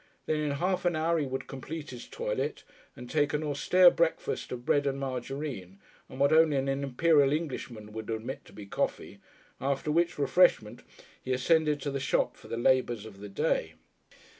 Then in half an hour he would complete his toilet and take an austere breakfast of bread and margarine and what only an Imperial Englishman would admit to be coffee, after which refreshment he ascended to the shop for the labours of the day.